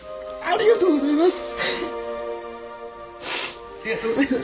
ありがとうございます。